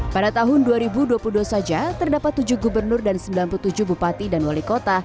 pada tahun dua ribu dua puluh dua saja terdapat tujuh gubernur dan sembilan puluh tujuh bupati dan wali kota